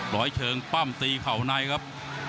ร้อยเชิงปั้มตีเข่าในครับ